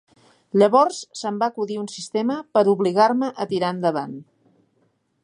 Llavors se'm va acudir un sistema per obligar-me a tirar endavant.